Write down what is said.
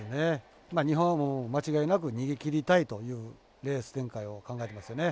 日本は、間違いなく逃げきりたいというレース展開を考えてますよね。